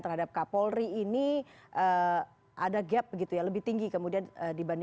oke jadi pak muradi anda melihat bahwa soal tadi yang kemudian ini